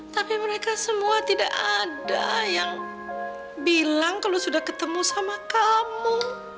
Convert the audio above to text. tapi mereka semua tidak ada yang bilang kalau sudah ketemu sama kamu